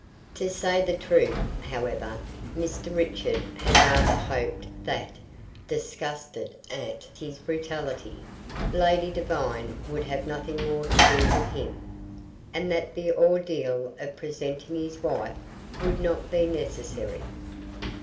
To say the truth, however, Mr. Richard had rather hoped that disgusted at his brutality Lady Devine would have nothing more to do with him, and that the ordeal of presenting his wife would not be necessary.